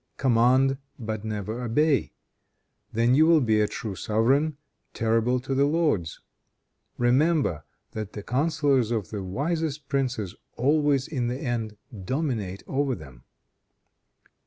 Command, but never obey. Then you will be a true sovereign, terrible to the lords. Remember that the counselors of the wisest princes always in the end dominate over them."